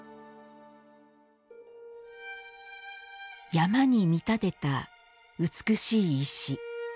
山に見立てた美しい石。